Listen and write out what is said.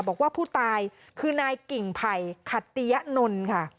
บอกว่าผู้ตายคือนายกิ่งไผ่ขัตติยะนนท์ค่ะ